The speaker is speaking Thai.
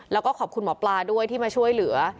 แล้วก็ขอบคุณหมอปลาด้วยที่มาช่วยเหลือ